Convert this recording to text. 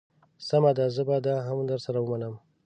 سمه ده زه به دا هم در سره ومنم.